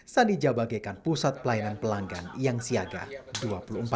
sami jah bagikan pusat pelayanan pelanggan yang siaga dua puluh empat jam